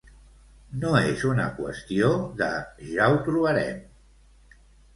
No és una qüestió de "ja ho trobarem".